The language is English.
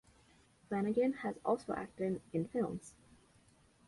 Flannigan has also acted in films.